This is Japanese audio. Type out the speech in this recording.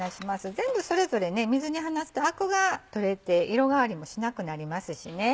全部それぞれ水に放すとアクが取れて色変わりもしなくなります。